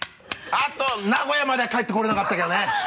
あと名古屋までは帰って来れなかったけどね。